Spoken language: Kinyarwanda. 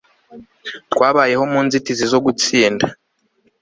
Twabayeho mu nzitizi zo gutsinda